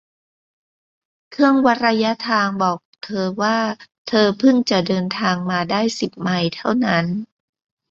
เครื่องวัดระยะทางบอกเธอว่าเธอพึ่งจะเดินทางมาได้สิบไมล์เท่านั้น